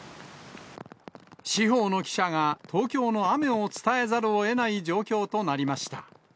司法の記者が東京の雨を伝えざるをえない状況となりました。